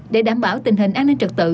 để đảm bảo tình hình an ninh trật tự